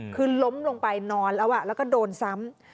คือล้มลงไปนอนแล้วแล้วก็โดนซ้ำ